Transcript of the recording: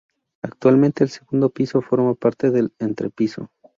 Actualmente el segundo piso forma parte del entrepiso.